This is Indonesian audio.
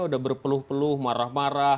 udah berpeluh peluh marah marah